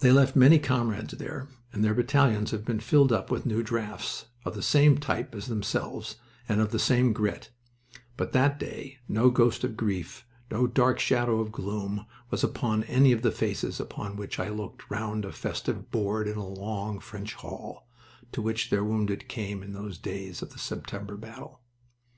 They left many comrades there, and their battalions have been filled up with new drafts of the same type as themselves and of the same grit but that day no ghost of grief, no dark shadow of gloom, was upon any of the faces upon which I looked round a festive board in a long, French hall, to which their wounded came in those days of the September battle.